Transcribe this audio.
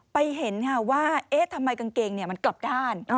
ไปเห็นว่าทำไมกางเกงมันกลับด้าน